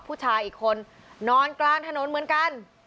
ผู้ชายอีกคนนอนกลางถนนเหมือนกัน